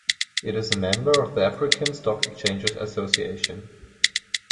It is a member of the African Stock Exchanges Association.